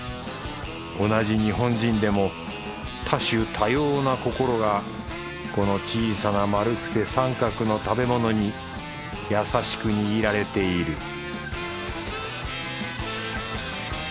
同じ日本人でも多種多様な心がこの小さな丸くて三角の食べ物に優しく握られている